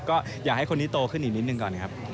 ก็อยากให้คนนี้โตขึ้นอีกนิดนึงก่อนครับ